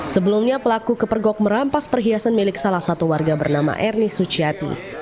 sebelumnya pelaku kepergok merampas perhiasan milik salah satu warga bernama ernie suciati